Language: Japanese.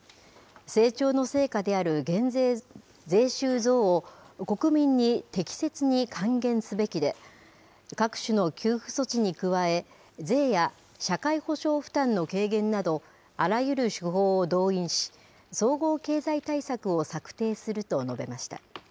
成長の成果である税収増を、国民に適切に還元すべきで、各種の給付措置に加え、税や社会保障負担の軽減など、あらゆる手法を動員し、総合経済対策を策定すると述べました。